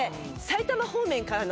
埼玉方面から。